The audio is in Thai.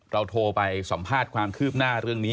โทรไปสัมภาษณ์ความคืบหน้าเรื่องนี้